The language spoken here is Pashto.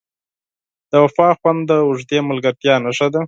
د وفا خوند د اوږدې ملګرتیا نښه ده.